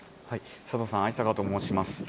佐藤さん、逢坂と申します。